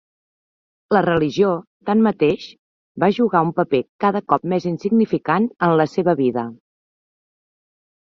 La religió, tanmateix, va jugar un paper cada cop més insignificant en la seva vida.